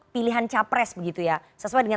pilihan capres begitu ya sesuai dengan